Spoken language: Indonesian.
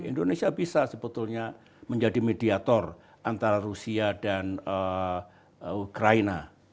indonesia bisa sebetulnya menjadi mediator antara rusia dan ukraina